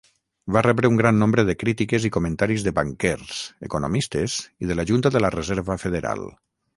Va rebre un gran nombre de crítiques i comentaris de banquers, economistes i de la junta de la reserva federal.